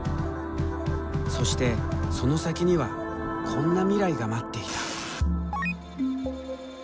そしてその先にはこんな未来が待っていた。